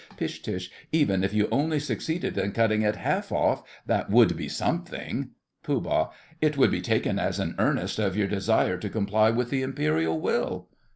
PISH. Even if you only succeeded in cutting it half off, that would be something. POOH. It would be taken as an earnest of your desire to comply with the Imperial will.